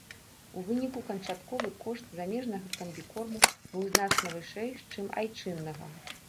У выніку канчатковы кошт замежнага камбікорму быў значна вышэйшы, чым айчыннага.